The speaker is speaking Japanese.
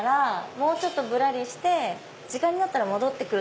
もうちょっとぶらりして時間になったら戻るプラン。